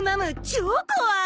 超怖い！